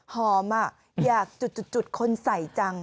หอมอยากจุดคนใส่จัง